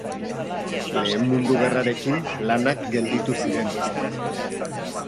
Lehen Mundu Gerrarekin lanak gelditu ziren.